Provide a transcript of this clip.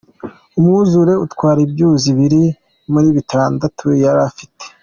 Umwuzure utwara ibyuzi bibiri muri bitandatu yari afite.